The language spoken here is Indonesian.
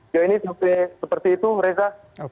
jadi ini sampai seperti itu reza